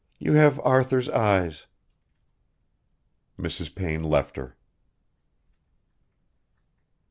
"You have Arthur's eyes...." Mrs. Payne left her.